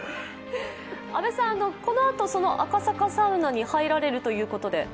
このあと赤坂サウナに入られるということで？